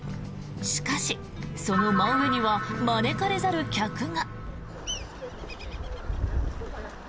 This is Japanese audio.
しかし、その真上には招かれざる客が。